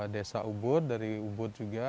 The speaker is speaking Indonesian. desa ubud dari ubud juga